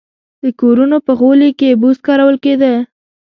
د کورونو په غولي کې بوس کارول کېدل